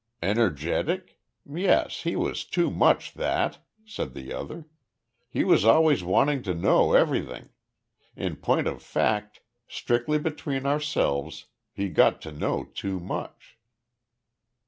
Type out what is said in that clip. "Energetic? Yes. He was too much that," said the other. "He was always wanting to know everything. In point of fact, strictly between ourselves he got to know too much."